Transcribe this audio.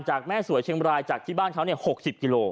แม่สวยเชียงบรายจากที่บ้านเขา๖๐กิโล